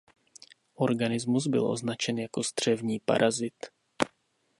Organismus byl označen jako střevní parazit.